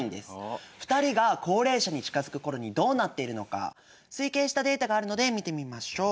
２人が高齢者に近づく頃にどうなっているのか推計したデータがあるので見てみましょう。